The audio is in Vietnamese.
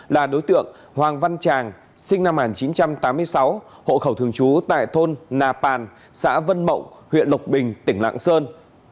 là đối tượng hoàng văn tràng sinh năm một nghìn chín trăm tám mươi sáu hộ khẩu thường trú tại thôn nà pàn xã vân mộng huyện lộc bình tỉnh lạng sơn